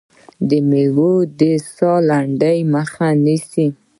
دا مېوه د ساه لنډۍ مخه نیسي.